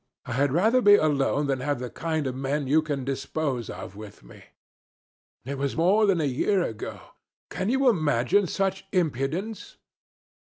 I had rather be alone than have the kind of men you can dispose of with me." It was more than a year ago. Can you imagine such impudence!'